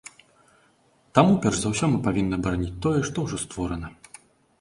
Таму перш за ўсё мы павінны абараніць тое, што ўжо створана.